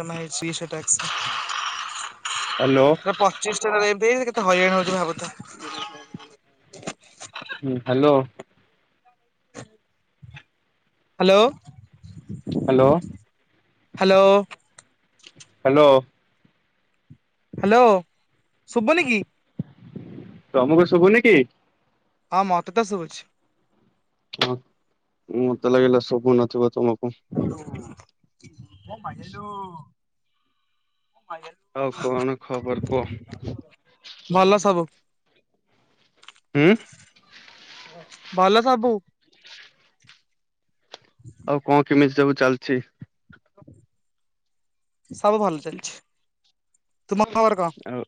ଜମା ହେଇଛି ସେ ଟାସ୍କ ହ୍ୟାଲୋ ସେ ପଚିଶ। [unintelligible] ଏମତି କେେ ହଇରାଣ ହଉଛି ଭାବୁ ଥିବା ହୁଁ ହୁଁ। [unintelligible] ହୁଁ, ହ୍ୟାଲୋ। ହ [unintelligible] hello. Hello. Hello hello hello ଶୁଭୁନି କି? ତମୁକୁ ଶୁଭୁନି କି? ହଁ ମତେ ତ ଶୁଭୁଛି। ହଁ, ମତେ ଲାଗିଲା ଶୁଭୁ ନଥିବ ତମକୁ। ହଁ ମ ମଜନୁ ଆଉ କଣ ଖବର କୁହ? ଭଲ ସବୁ। ଉଁ। ଭଲ ସବୁ। ଆଉ କଣ କେମିତି ସବୁ ଚାଲିଛି? ସବୁ ଭଲ ଚାଲିଛି। ତୁମ ଖବର କଣ ଆଉ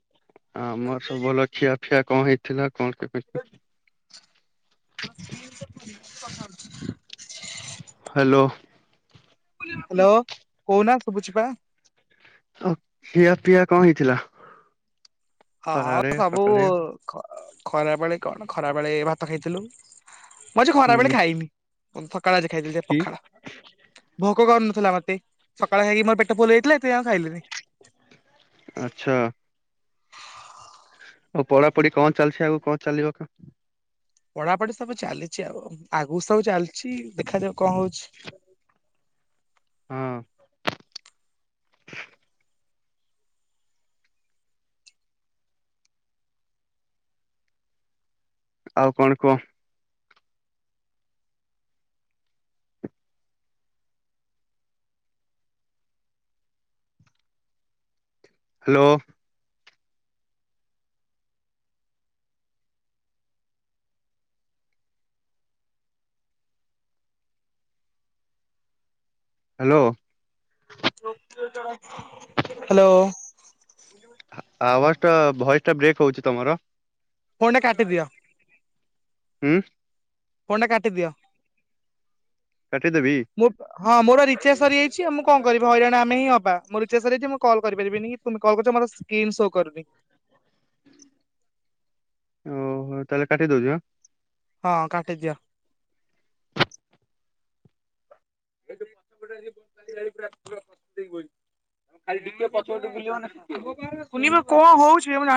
ଆମର ସବୁ ଭଲ ଖିଆ ଫିଆ କଣ ହେଇଥିଲା କଣ କେ କଛ। [unintelligible] ହ୍ୟାଲୋ। ହ୍ୟାଲୋ, କହୁନା ଶୁଭୁଛିି ପା। ଆଉ ଖିଆ ପିଆ କଣ ହେଇଥିଲା? ହଁ ହଁ ଖରାବେଳେ ସବୁ ସକାଳେ ଖରାବେଳେ କଣ? ଖରାବେଳେ ଭାତ ଖାଇଥିଲୁ ମୁଁ ଆଜି ଖରାବେେଳେ ହୁଁ ଖାଇନି। ସକାଳେ ଆଜି ଖାଇଥିଲି କି ପଖାଳ ଭୋକ କରୁ ନଥିଲା ମତେ। ସକାଳେ ଖାଇକି ମୋ ପେଟ ପୁଲ ହେଇଥିଲା ସେ ଏବେ ଆଉ ଖାଇଲିନି। ଆଚ୍ଛା। ହଉ ପଢାପଢି କଣ ଚାଲିଛି ଆଗ କଣ ଚାଲିବ। ପଢାପଢି ସବୁ ଚାଲିଛି ଆଉ ଆଗକୁ ସବୁ ଚାଲିଛି ଦେଖାଯାଉ କଣ ହଉଛି। ହଁ। ଆଉ କଣ କୁହ? ହ୍ୟାଲୋ। ହ୍ୟାଲୋ। ହ୍ୟାଲୋ। ଆବାଜ ଟା ଭଏସ୍ ଟା ବ୍ରେକ୍ ହଉଛି ତମର। ଫୋନଟା କାଟିଦିଅ। ହୁଁ। ଫୋନଟା କାଟିଦିଅ। କାଟିଦେବି? ମୁଁ ହଁ ମୋର ପା ରିଚାର୍ଜ ସରିଯାଇଛି। ମୁଁ କଣ କରିବି? ହରାଣ ଆମେ ହିଁ ହବା। ମୋ ରିଚାର୍ଜ ସରିଯାଇଛି ମୁଁ କଲ କରିପାରିବିନି କି ତମେ କଲ କରିଛ ମତେ ସ୍କିନ ସୋ କରୁନି। ଓହୋ। ତାହେଲେ କାଟି ଦଉଚି ଆ। ହଁ କାଟିଦିଅ। [inaudible] କୁନି ବୋଉ କଣ ହଉଛି?